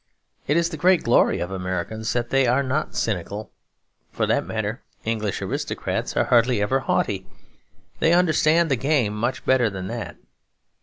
It is the great glory of Americans that they are not cynical; for that matter, English aristocrats are hardly ever haughty; they understand the game much better than that.